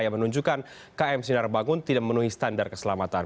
yang menunjukkan km sinar bangun tidak memenuhi standar keselamatan